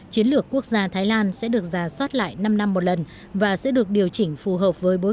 chiến lược quốc gia thái lan sẽ được giả soát lại năm năm một lần và sẽ được điều chỉnh phù hợp với bối